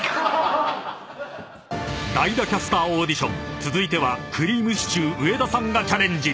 ［代打キャスターオーディション続いてはくりぃむしちゅー上田さんがチャレンジ］